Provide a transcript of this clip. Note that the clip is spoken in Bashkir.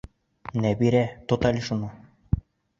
Нәбирә, тот әле шуны!